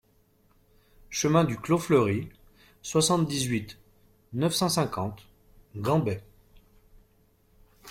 Chemin du Clos Fleury, soixante-dix-huit, neuf cent cinquante Gambais